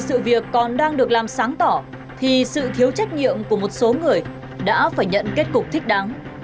sự việc còn đang được làm sáng tỏ thì sự thiếu trách nhiệm của một số người đã phải nhận kết cục thích đáng